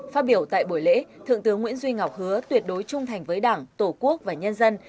phát biểu tại buổi lễ thượng tướng nguyễn duy ngọc hứa tuyệt đối trung thành với đảng tổ quốc và nhân dân